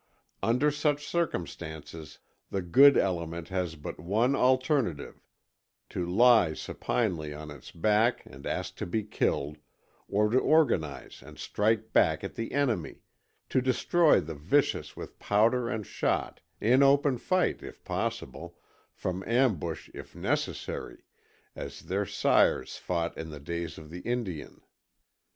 Under such circumstances the good element has but one alternative to lie supinely on its back and ask to be killed, or to organize and strike back at the enemy, to destroy the vicious with powder and shot, in open fight, if possible, from ambush if necessary, as their sires fought in the days of the Indian.